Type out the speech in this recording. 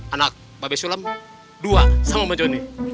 anak babi shulam dua sama bang joni